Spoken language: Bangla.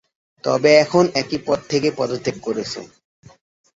তবে এখন একই পদ থেকে পদত্যাগ করেছেন।